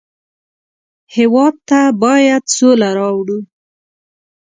هېواد ته باید سوله راوړو